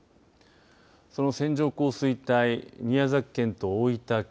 その、線状降水帯宮崎県と大分県、